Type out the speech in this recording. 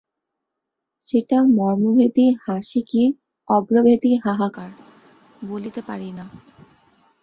সেটা মর্মভেদী হাসি কি অভ্রভেদী হাহাকার, বলিতে পারি না।